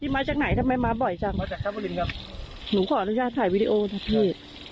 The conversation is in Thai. ไม่ได้หรอกค่ะพี่